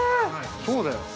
◆そうだよ。